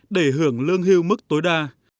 để hưởng lương hưu mức tối đa